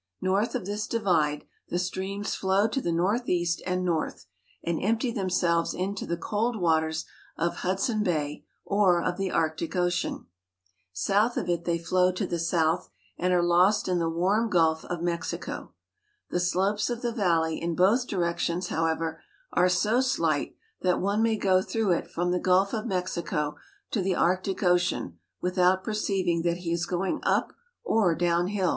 North of this divide the streams flow to the northeast and north, and empty themselves into the cold waters of Hudson Bay or of the Arctic Ocean. South of it they flow to the south and are lost in the warm Gulf of Mexico. The slopes of the valley in both directions, how ever, are so slight that one may go through it from the Gulf of Mexico to the Arctic Ocean without perceiving that he is going up or down hill.